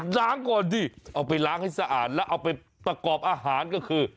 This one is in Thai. ล้างก่อนสิเอาไปล้างให้สะอาดแล้วเอาไปประกอบอาหารก็คือ